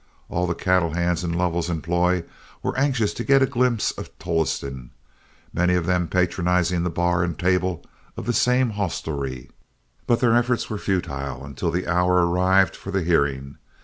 All the cattle hands in Lovell's employ were anxious to get a glimpse of Tolleston, many of them patronizing the bar and table of the same hostelry, but their efforts were futile until the hour arrived for the hearing.